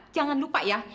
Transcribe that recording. jangan lupa ya